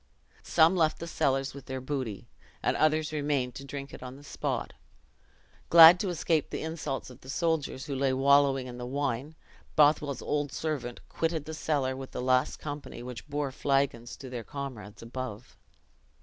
Some left the cellars with their booty, and others remained to drink it on the spot. Glad to escape the insults of the soldiers who lay wallowing in the wine, Bothwell's old servant quitted the cellar with the last company which bore flagons to their comrades above.